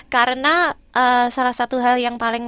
karena salah satu hal yang paling